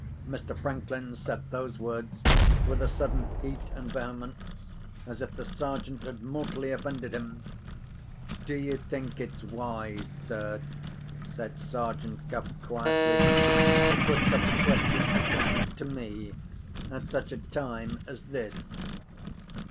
Mr. Franklin said those words with a sudden heat and vehemence, as if the Sergeant had mortally offended him. "Do you think it's wise, sir," said Sergeant Cuff, quietly, "to put such a question as that to me—at such a time as this?"